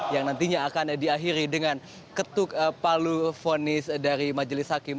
yang nantinya akan diakhiri dengan ketuk palu vonis dari majelis hakim